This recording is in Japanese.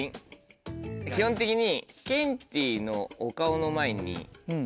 基本的に。